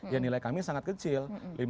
ya nilai kami sangat kecil